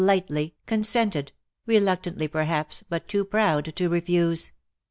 lightly, consented — reluctantly perhaps — but too proud to refuse.